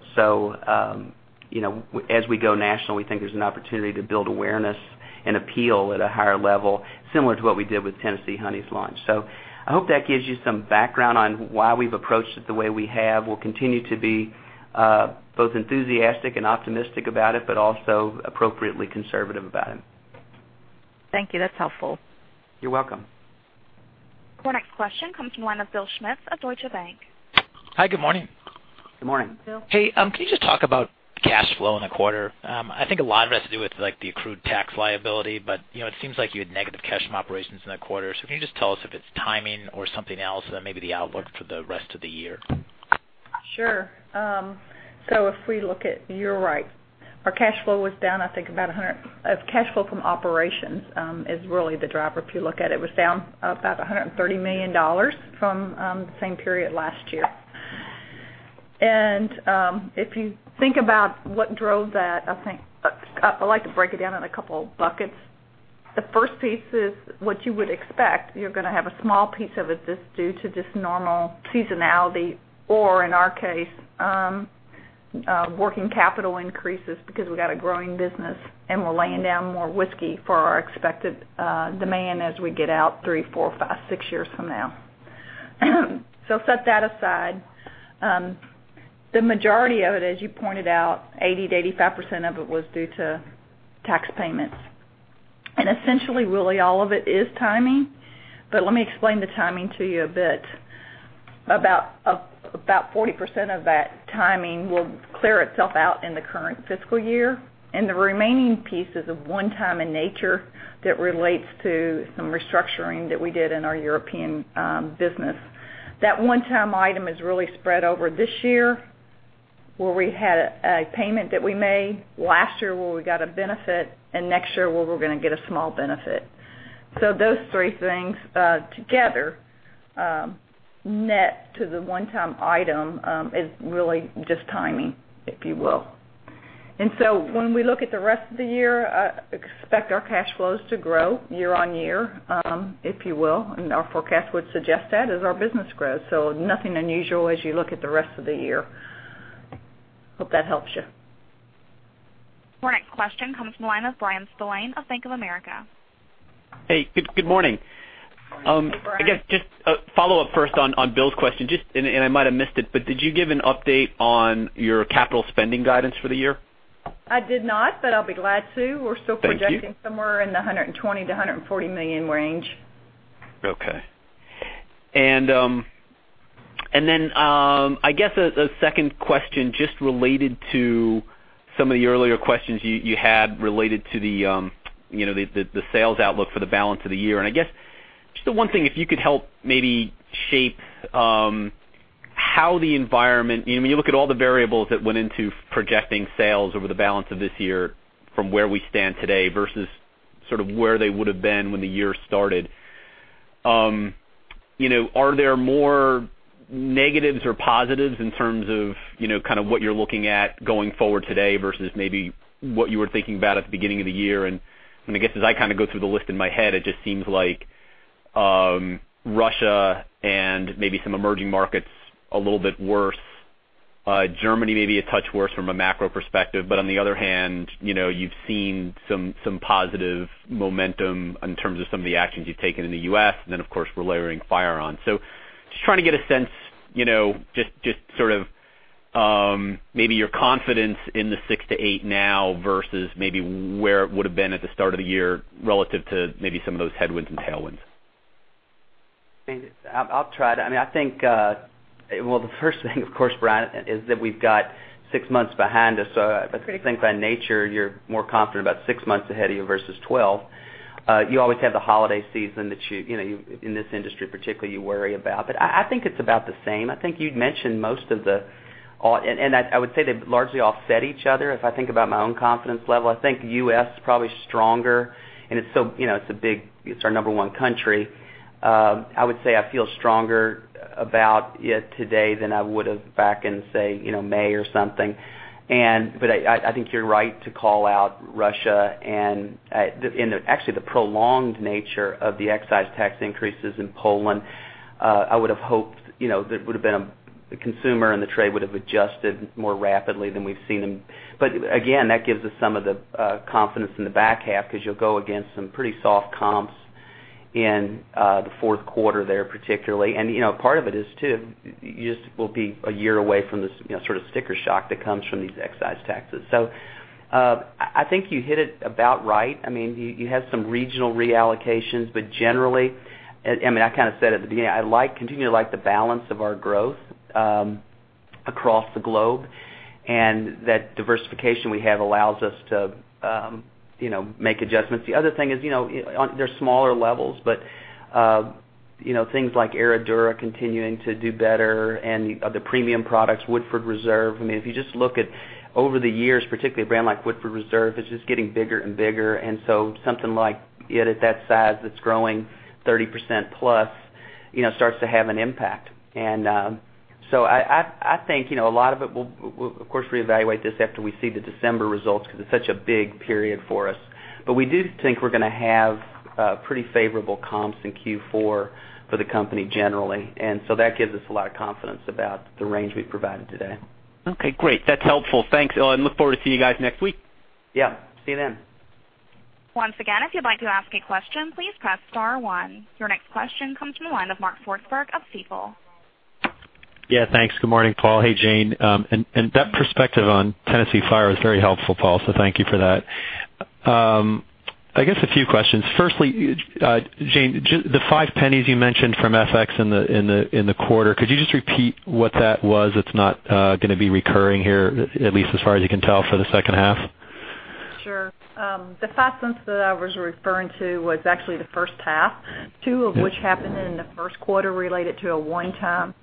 As we go national, we think there's an opportunity to build awareness and appeal at a higher level, similar to what we did with Jack Daniel's Tennessee Honey's launch. I hope that gives you some background on why we've approached it the way we have. We'll continue to be both enthusiastic and optimistic about it, but also appropriately conservative about it. Thank you. That's helpful. You're welcome. Our next question comes from the line of Bill Schmitz of Deutsche Bank. Hi, good morning. Good morning. Bill. Hey, can you just talk about cash flow in the quarter? I think a lot of it has to do with the accrued tax liability, but it seems like you had negative cash from operations in that quarter. Can you just tell us if it's timing or something else, maybe the outlook for the rest of the year? Sure. You're right. Our cash flow was down, I think about Cash flow from operations, is really the driver if you look at it. It was down about $130 million from the same period last year. If you think about what drove that, I like to break it down in a couple of buckets. The first piece is what you would expect. You're going to have a small piece of it just due to just normal seasonality or, in our case, working capital increases because we've got a growing business, and we're laying down more whiskey for our expected demand as we get out three, four, five, six years from now. Set that aside. The majority of it, as you pointed out, 80%-85% of it was due to tax payments. Essentially, really all of it is timing. Let me explain the timing to you a bit. About 40% of that timing will clear itself out in the current fiscal year. The remaining piece is of one-time in nature that relates to some restructuring that we did in our European business. That one-time item is really spread over this year, where we had a payment that we made, last year where we got a benefit, and next year where we're going to get a small benefit. Those three things together, net to the one-time item, is really just timing, if you will. When we look at the rest of the year, expect our cash flows to grow year-over-year, if you will. Our forecast would suggest that as our business grows. Nothing unusual as you look at the rest of the year. Hope that helps you. Our next question comes from the line of Bryan Spillane of Bank of America. Hey, good morning. Good morning. Hey, Brian. I guess just a follow-up first on Bill's question. I might have missed it, but did you give an update on your capital spending guidance for the year? I did not, but I'll be glad to. Thank you. We're still projecting somewhere in the $120 million-$140 million range. Okay. I guess, a second question just related to some of the earlier questions you had related to the sales outlook for the balance of the year. I guess, just the one thing, if you could help maybe shape how the environment, when you look at all the variables that went into projecting sales over the balance of this year from where we stand today versus where they would've been when the year started. Are there more negatives or positives in terms of what you're looking at going forward today versus maybe what you were thinking about at the beginning of the year? I guess, as I go through the list in my head, it just seems like Russia and maybe some emerging markets are a little bit worse. Germany, maybe a touch worse from a macro perspective. On the other hand, you've seen some positive momentum in terms of some of the actions you've taken in the U.S. Of course, we're layering Fire on. Just trying to get a sense, just maybe your confidence in the 6%-8% now versus maybe where it would've been at the start of the year relative to maybe some of those headwinds and tailwinds. I'll try it. Well, the first thing, of course, Brian, is that we've got six months behind us. I think by nature, you're more confident about six months ahead of you versus 12. You always have the holiday season, in this industry particularly, you worry about. I think it's about the same. I think you'd mentioned most of the-- and I would say they've largely offset each other. If I think about my own confidence level, I think U.S. is probably stronger, and it's our number one country. I would say I feel stronger about it today than I would've back in, say, May or something. I think you're right to call out Russia and, actually, the prolonged nature of the excise tax increases in Poland. I would've hoped that the consumer and the trade would've adjusted more rapidly than we've seen them. Again, that gives us some of the confidence in the back half because you'll go against some pretty soft comps in the fourth quarter there particularly. Part of it is too, you just will be a year away from this sticker shock that comes from these excise taxes. I think you hit it about right. You have some regional reallocations, generally, I said at the beginning, I continue to like the balance of our growth across the globe, and that diversification we have allows us to make adjustments. The other thing is, they're smaller levels, but things like Herradura continuing to do better and the other premium products, Woodford Reserve. If you just look at over the years, particularly a brand like Woodford Reserve, it's just getting bigger and bigger. Something like it at that size that's growing 30% plus starts to have an impact. I think a lot of it, we'll, of course, reevaluate this after we see the December results because it's such a big period for us. We do think we're going to have pretty favorable comps in Q4 for the company generally. That gives us a lot of confidence about the range we've provided today. Okay, great. That's helpful. Thanks. I look forward to seeing you guys next week. Yeah. See you then. Once again, if you'd like to ask a question, please press star one. Your next question comes from the line of Mark Swartzberg of Stifel. Yeah, thanks. Good morning, Paul. Hey, Jane. That perspective on Jack Daniel's Tennessee Fire was very helpful, Paul, so thank you for that. I guess a few questions. Firstly, Jane, the $0.05 you mentioned from FX in the quarter. Could you just repeat what that was that's not going to be recurring here, at least as far as you can tell for the second half? Sure. The $0.05 that I was referring to was actually the first half, $0.02 of which happened in the first quarter related to a one-time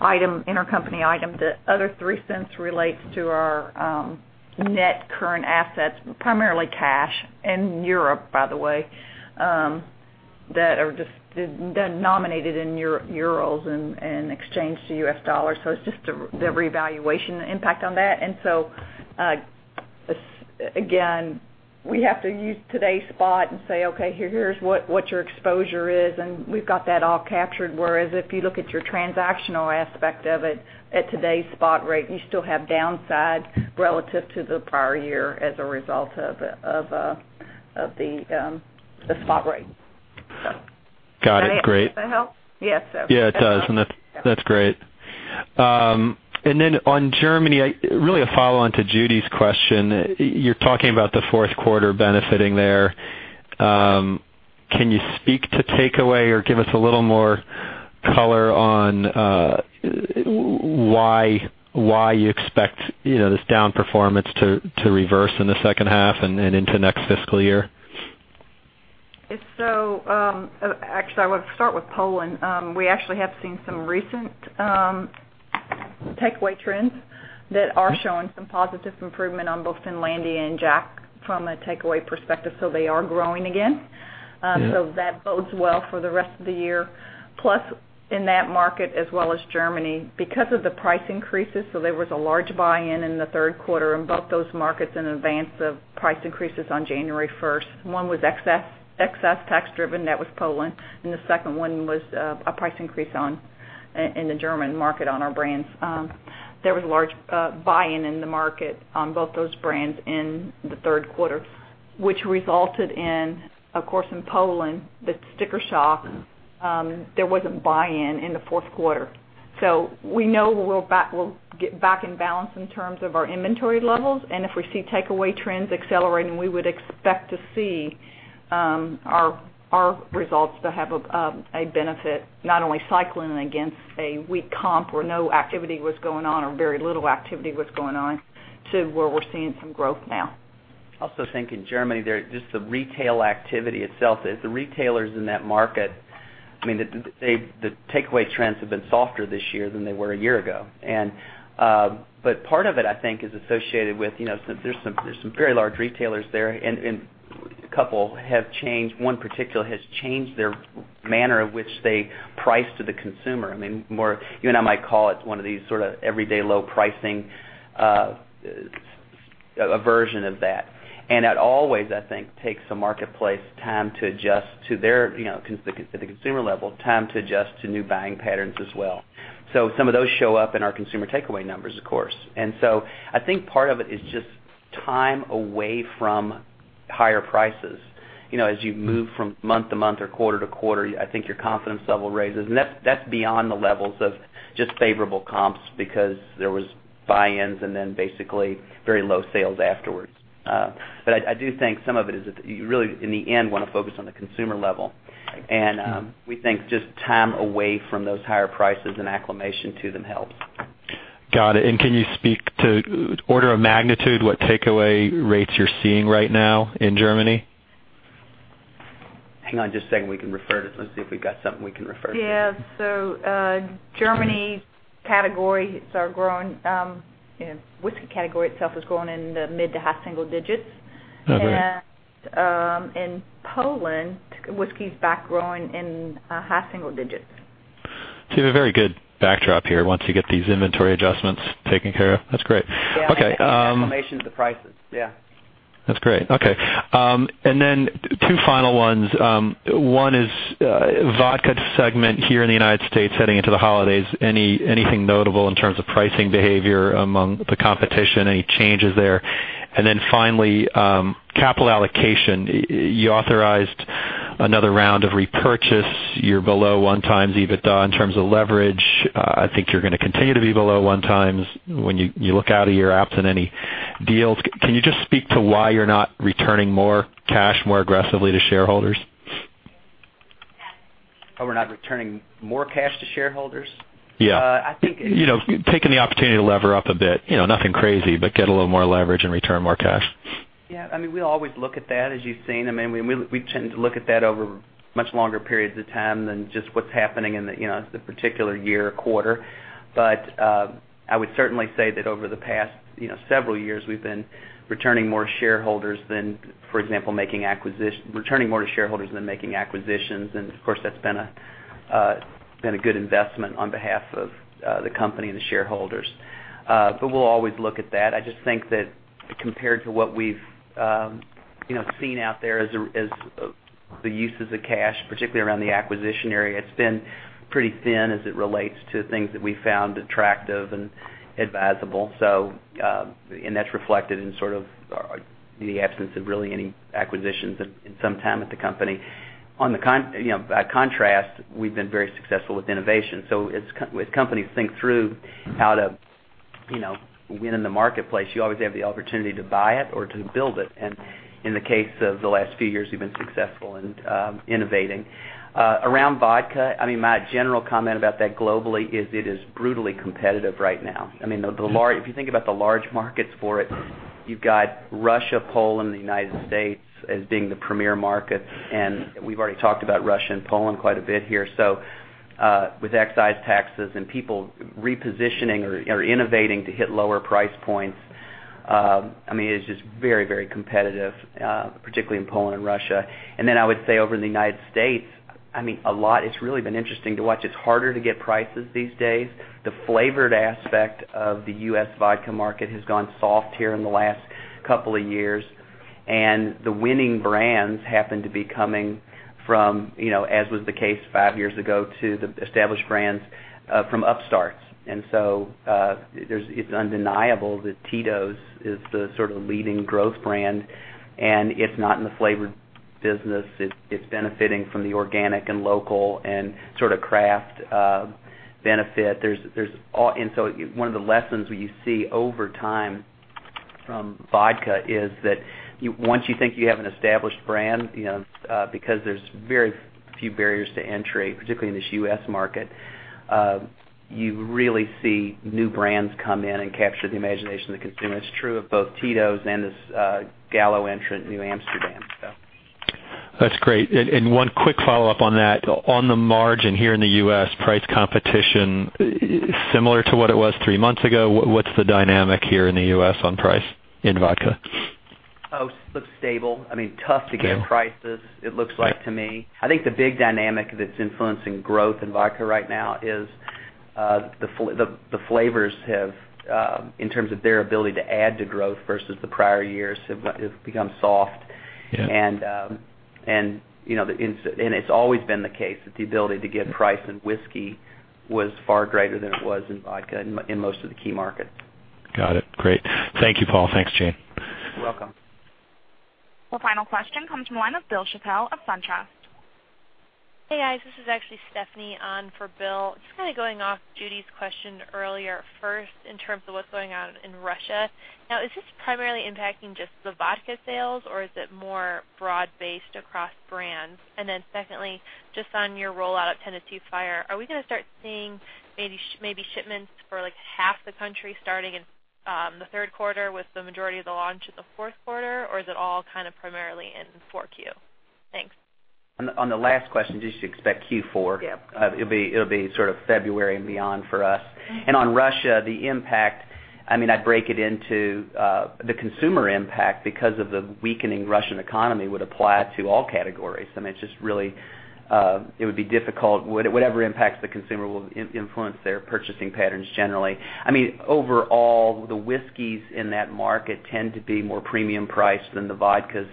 intercompany item. The other $0.03 relates to our net current assets, primarily cash in Europe, by the way. That are just denominated in EUR and exchanged to USD. It's just the revaluation impact on that. Again, we have to use today's spot and say, "Okay, here's what your exposure is," and we've got that all captured. Whereas if you look at your transactional aspect of it at today's spot rate, you still have downside relative to the prior year as a result of the spot rate. Got it. Great. Does that help? Yes. Yeah, it does. That's great. Then on Germany, really a follow-on to Judy's question. You're talking about the fourth quarter benefiting there. Can you speak to takeaway or give us a little more color on why you expect this down performance to reverse in the second half and into next fiscal year? Actually, I want to start with Poland. We actually have seen some recent takeaway trends that are showing some positive improvement on both Finlandia and Jack from a takeaway perspective. They are growing again. That bodes well for the rest of the year. Plus, in that market, as well as Germany, because of the price increases, there was a large buy-in in the third quarter in both those markets in advance of price increases on January 1st. One was excess tax-driven, that was Poland, and the second one was a price increase in the German market on our brands. There was large buy-in in the market on both those brands in the third quarter, which resulted in, of course, in Poland, the sticker shock. There was very little activity was going on. We know we'll get back in balance in terms of our inventory levels, and if we see takeaway trends accelerating, we would expect to see our results to have a benefit, not only cycling against a weak comp where no activity was going on, or very little activity was going on, to where we're seeing some growth now. I also think in Germany, just the retail activity itself, is the retailers in that market. The takeaway trends have been softer this year than they were a year ago. Part of it, I think, is associated with, there's some very large retailers there, and a couple have changed. One particular has changed their manner of which they price to the consumer. You and I might call it one of these everyday low pricing, a version of that. That always, I think, takes the marketplace time to adjust, at the consumer level, time to adjust to new buying patterns as well. Some of those show up in our consumer takeaway numbers, of course. I think part of it is just time away from higher prices. As you move from month-to-month or quarter-to-quarter, I think your confidence level raises. That's beyond the levels of just favorable comps because there was buy-ins and then basically very low sales afterwards. I do think some of it is you really, in the end, want to focus on the consumer level. We think just time away from those higher prices and acclimation to them helps. Got it. Can you speak to order of magnitude, what takeaway rates you're seeing right now in Germany? Hang on just a second. Let's see if we've got something we can refer to. Yeah. Germany whiskey category itself is growing in the mid to high single digits. Okay. In Poland, whiskey is back growing in high single digits. You have a very good backdrop here once you get these inventory adjustments taken care of. That's great. Okay. Yeah. Acclimation to prices. Yeah. That's great. Okay. Two final ones. One is vodka segment here in the U.S. heading into the holidays. Anything notable in terms of pricing behavior among the competition? Any changes there? Finally, capital allocation. You authorized another round of repurchase. You're below one times EBITDA in terms of leverage. I think you're going to continue to be below one times when you look out at your acquisitions and any deals. Can you just speak to why you're not returning more cash, more aggressively to shareholders? How we're not returning more cash to shareholders? Yeah. I think it- Taking the opportunity to lever up a bit. Nothing crazy, but get a little more leverage and return more cash. Yeah, we always look at that as you've seen. We tend to look at that over much longer periods of time than just what's happening in the particular year or quarter. I would certainly say that over the past several years, we've been returning more to shareholders than making acquisitions, and of course, that's been a good investment on behalf of the company and the shareholders. We'll always look at that. I just think that compared to what we've seen out there as the uses of cash, particularly around the acquisition area, it's been pretty thin as it relates to things that we found attractive and advisable. That's reflected in the absence of really any acquisitions in some time at the company. By contrast, we've been very successful with innovation. As companies think through how to win in the marketplace, you always have the opportunity to buy it or to build it. In the case of the last few years, we've been successful in innovating. Around vodka, my general comment about that globally is it is brutally competitive right now. If you think about the large markets for it, you've got Russia, Poland, the U.S. as being the premier markets, and we've already talked about Russia and Poland quite a bit here. With excise taxes and people repositioning or innovating to hit lower price points I mean, it's just very competitive, particularly in Poland and Russia. Then I would say over in the U.S., it's really been interesting to watch. It's harder to get prices these days. The flavored aspect of the U.S. vodka market has gone soft here in the last couple of years, and the winning brands happen to be coming from, as was the case 5 years ago, to the established brands from upstarts. It's undeniable that Tito's is the sort of leading growth brand, and it's not in the flavored business. It's benefiting from the organic and local and sort of craft benefit. One of the lessons you see over time from vodka is that once you think you have an established brand, because there's very few barriers to entry, particularly in this U.S. market, you really see new brands come in and capture the imagination of the consumer. It's true of both Tito's and this Gallo entrant, New Amsterdam. That's great. One quick follow-up on that. On the margin here in the U.S., price competition similar to what it was three months ago? What's the dynamic here in the U.S. on price in vodka? Looks stable. I mean, tough to get prices, it looks like to me. I think the big dynamic that's influencing growth in vodka right now is the flavors have, in terms of their ability to add to growth versus the prior years, have become soft. Yeah. It's always been the case that the ability to get price in whiskey was far greater than it was in vodka in most of the key markets. Got it. Great. Thank you, Paul. Thanks, Jane. You're welcome. The final question comes from the line of Bill Chappell of SunTrust. Hey, guys. This is actually Stephanie on for Bill. Just kind of going off Judy's question earlier. First, in terms of what's going on in Russia, is this primarily impacting just the vodka sales or is it more broad-based across brands? Secondly, just on your rollout of Jack Daniel's Tennessee Fire, are we going to start seeing maybe shipments for half the country starting in the third quarter with the majority of the launch in the fourth quarter? Or is it all kind of primarily in 4Q? Thanks. On the last question, you should expect Q4. Yeah. It'll be sort of February and beyond for us. On Russia, the impact, I'd break it into the consumer impact because of the weakening Russian economy would apply to all categories. I mean, it would be difficult. Whatever impacts the consumer will influence their purchasing patterns generally. Overall, the whiskeys in that market tend to be more premium priced than the vodkas,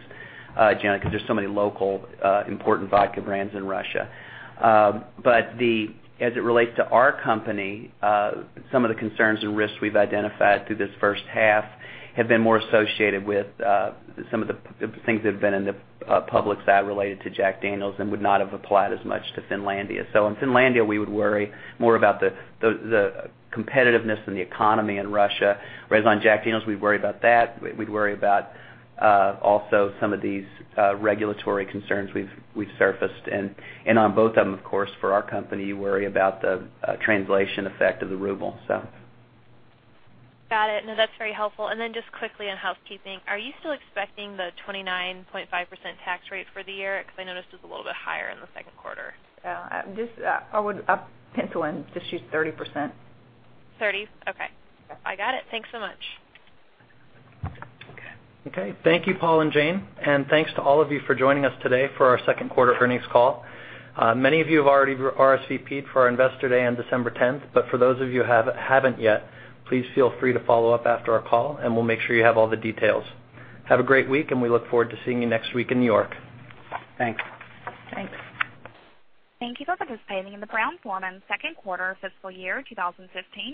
Jenna, because there's so many local important vodka brands in Russia. As it relates to our company, some of the concerns and risks we've identified through this first half have been more associated with some of the things that have been in the public side related to Jack Daniel's and would not have applied as much to Finlandia. On Finlandia, we would worry more about the competitiveness and the economy in Russia. On Jack Daniel's, we'd worry about that. We'd worry about also some of these regulatory concerns we've surfaced. On both of them, of course, for our company, worry about the translation effect of the ruble. Got it. No, that's very helpful. Then just quickly on housekeeping, are you still expecting the 29.5% tax rate for the year? I noticed it was a little bit higher in the second quarter. Yeah. I would pencil in, just use 30%. 30? Okay. Yeah. I got it. Thanks so much. Okay. Okay. Thank you, Paul and Jane, and thanks to all of you for joining us today for our second quarter earnings call. Many of you have already RSVP'd for our Investor Day on December 10th, but for those of you who haven't yet, please feel free to follow up after our call, and we'll make sure you have all the details. Have a great week, and we look forward to seeing you next week in New York. Thanks. Thanks. Thank you for participating in the Brown-Forman second quarter fiscal year 2015.